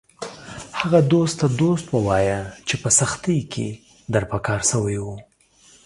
هغه دوست ته دوست ووایه چې په سختۍ کې در په کار شوی و